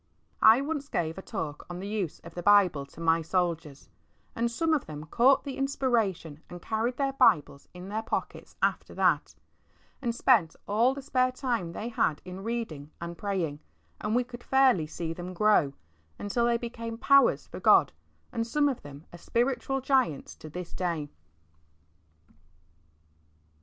*' I once gave a talk on the use of the Bible to my Soldiers, and some of them caught the inspiration and carried their Bibles in their pockets after that, and spent all the spare time they had in reading and praying, and we could fairly see them grow, until they became powers for God, and some of them are spiritual giants to this day.